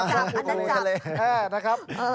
อันนั้นจับ